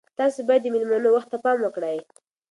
تاسي باید د میلمنو وخت ته پام وکړئ.